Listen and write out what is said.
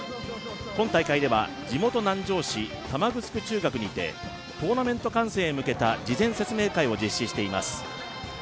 今大会では地元・南城市玉城中学にてトーナメント観戦へ向けた事前説明会を実施しています。